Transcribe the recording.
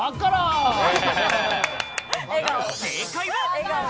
正解は。